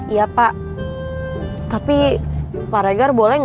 iya pak tapi pak regar boleh nggak